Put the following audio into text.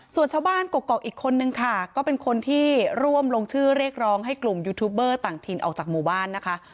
ส่วนชาวบ้านกกอกอีกคนนึงค่ะก็เป็นคนที่ร่วมลงชื่อเรียกร้องให้กลุ่มยูทูบเบอร์ต่างถิ่นออกจากหมู่บ้านนะคะ